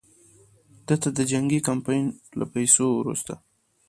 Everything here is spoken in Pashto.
ده ته د جنګي کمپنیو له پیسو وروسته.